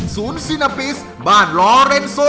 ศูนย์ซินาปิสบ้านลอเรนโซ